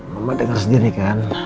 mama dengar sendiri kan